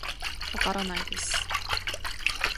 わからないです